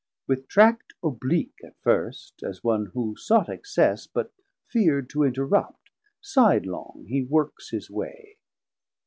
With tract oblique 510 At first, as one who sought access, but feard To interrupt, side long he works his way.